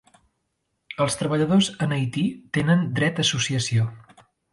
Els treballadors en Haití tenen dret a associació.